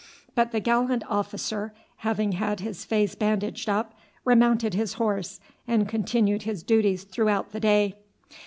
But the gallant officer, having had his face bandaged up, remounted his horse, and continued his duties throughout the day.